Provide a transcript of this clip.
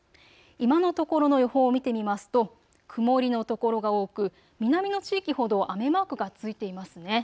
今のところの予報を見てみますと曇りの所が多く、南の地域ほど雨マークがついていますね。